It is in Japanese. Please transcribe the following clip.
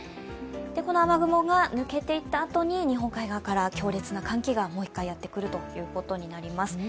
この雨雲が抜けていったあとに日本海側から強烈な寒気がもう一回やってくるということになります。